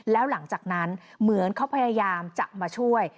แล้วหลังจากนั้นเหมือนเขาพยายามจะมาช่วย